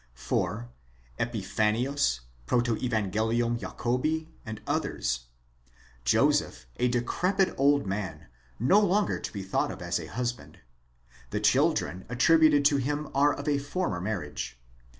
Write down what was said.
4. Epiphanius, Protevangelium Jacobi and others: Joseph a decrepit old man, no longer to be thought of as a husband : the children attributed to him are of a former marriage.